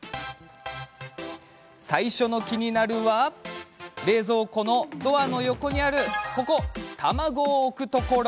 最初のキニナルは冷蔵庫のドアの横にある卵を置くところ。